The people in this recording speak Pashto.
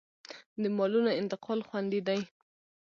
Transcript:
د مالونو انتقال خوندي دی